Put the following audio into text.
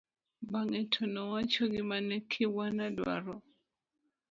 bang'e to nowacho gima ne Kibwana dwaro